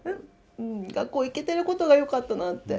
学校へ行けていることがよかったなって。